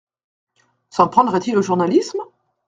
S’en prendrait-il au journalisme ?